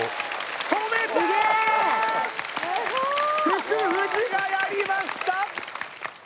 福藤がやりました！